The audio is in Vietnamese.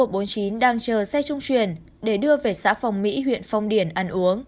năm mươi một b hai mươi sáu nghìn một trăm bốn mươi chín đang chờ xe trung truyền để đưa về xã phòng mỹ huyện phong điển ăn uống